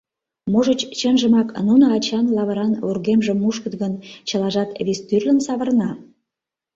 Можыч, чынжымак, нуно ачан лавыран вургемжым мушкыт гын, чылажат вес тӱрлын савырна?